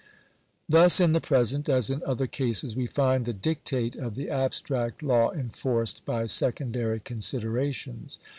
Thus, in the present, as in other cases, we find the dictate of the abstract law enforced by secondary considerations.